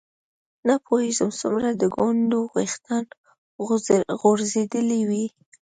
نه پوهېږم څومره د ګونډو ویښتان غورځېدلي وي.